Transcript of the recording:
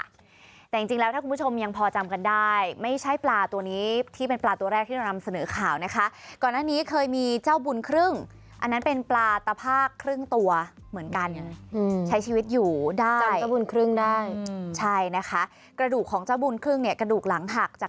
แต่จริงจริงแล้วถ้าคุณผู้ชมยังพอจำกันได้ไม่ใช่ปลาตัวนี้ที่เป็นปลาตัวแรกที่เรานำเสนอข่าวนะคะ